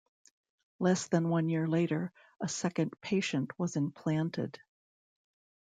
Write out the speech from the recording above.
Less than one year later, a second patient was implanted.